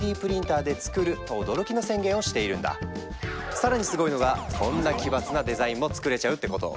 更にすごいのがこんな奇抜なデザインもつくれちゃうってこと！